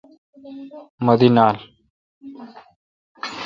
مہ دی نال۔